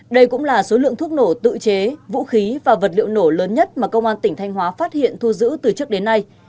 đây cũng là số lượng thuốc nổ tự chế vũ khí và vật liệu nổ lớn nhất mà công an tỉnh thanh hóa phát hiện thu giữ từ trước đến nay